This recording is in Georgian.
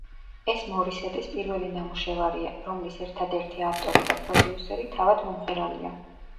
ეს მორისეტის პირველი ნამუშევარია, რომლის ერთადერთი ავტორი და პროდიუსერი თავად მომღერალია.